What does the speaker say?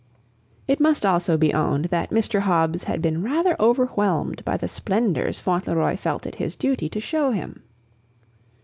It must also be owned that Mr. Hobbs had been rather overwhelmed by the splendors Fauntleroy felt it his duty to show him.